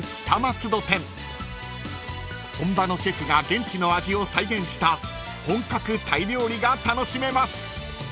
［本場のシェフが現地の味を再現した本格タイ料理が楽しめます］